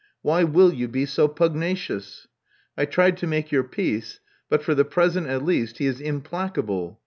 Why will you be so pusrnacious? I tried to make your peace; but, for the present at least, he is implacable.